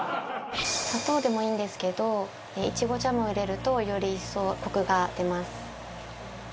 砂糖でもいいんですけどイチゴジャムを入れるとより一層コクが出ます。